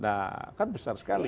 nah kan besar sekali